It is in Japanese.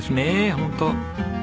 本当。